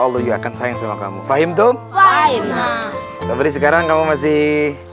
allah juga akan sayang sama kamu paham tuh baik nah seperti sekarang kamu masih